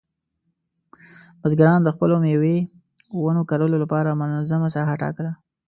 بزګران د خپلو مېوې ونو کرلو لپاره منظمه ساحه ټاکله.